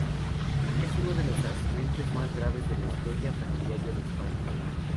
Es uno de los accidentes más graves de la historia ferroviaria de España.